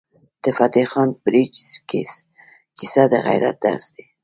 د فتح خان بړیڅ کیسه د غیرت درس دی.